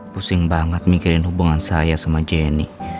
pusing banget mikirin hubungan saya sama jenny